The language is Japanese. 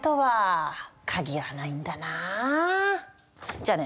じゃあね！